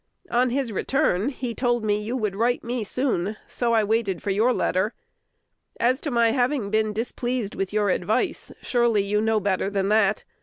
On his return, he told me you would write me soon, and so I waited for your letter. As to my having been displeased with your advice, surely you know better than that.